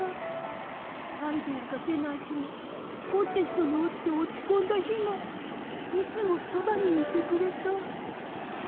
アイデアが出ない日もコンテストに落ちて落ちこんだ日もいつもそばにいてくれた。